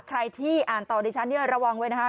ใครที่อ่านต่อดิฉันเนี่ยระวังไว้นะคะ